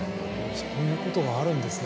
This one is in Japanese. そういうことがあるんですね